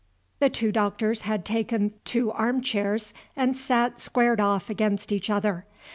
The two Doctors had taken two arm chairs and sat squared off against each other.